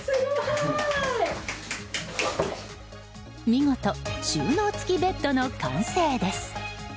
見事収納付きベッドの完成です。